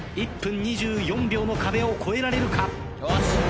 １分２４秒の壁を越えられるか？